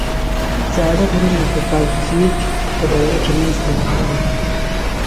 زاړه غرونه په پالیوزویک په دوره کې منځته راغلي دي.